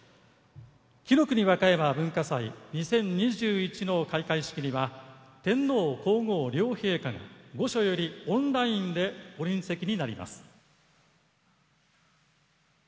「紀の国わかやま文化祭２０２１」の開会式には天皇皇后両陛下が御所よりオンラインでご臨席になります。